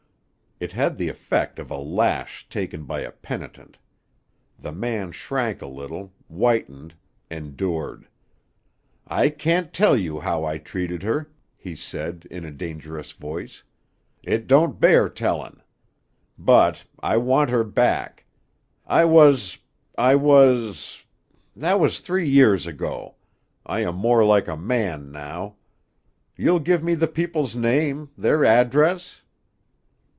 It had the effect of a lash taken by a penitent. The man shrank a little, whitened, endured. "I can't tell you how I treated her," he said in a dangerous voice; "it don't bear tellin'. But I want her back. I was I was that was three years ago; I am more like a man now. You'll give me the people's name, their address?..."